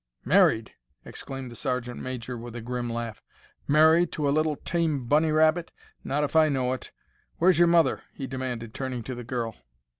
"Married!" exclaimed the sergeant major, with a grim laugh. "Married to a little tame bunny rabbit! Not if I know it. Where's your mother?" he demanded, turning to the girl.